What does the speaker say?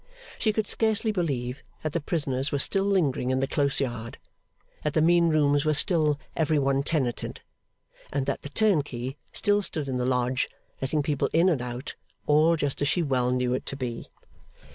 She could scarcely believe that the prisoners were still lingering in the close yard, that the mean rooms were still every one tenanted, and that the turnkey still stood in the Lodge letting people in and out, all just as she well knew it to be.